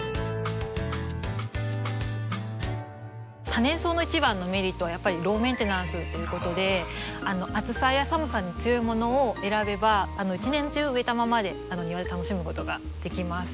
多年草の一番のメリットはやっぱりローメンテナンスっていうことで暑さや寒さに強いものを選べば一年中植えたままで庭で楽しむことができます。